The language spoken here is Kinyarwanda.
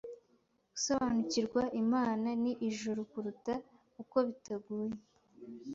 gusobanukirwa Imana n'ijuru kuruta uko bitaguye